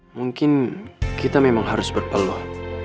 mungkin kita memang harus berpeluang